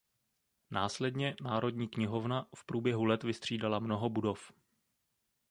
Následně "Národní knihovna" v průběhu let vystřídala mnoho budov.